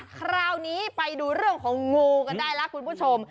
คราวนี้ไปดูเรื่องของงูกันได้แล้วคุณผู้ชม